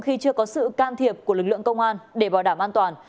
khi chưa có sự can thiệp của lực lượng công an để bảo đảm an toàn